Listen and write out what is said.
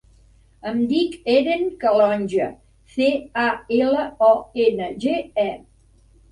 Em dic Eren Calonge: ce, a, ela, o, ena, ge, e.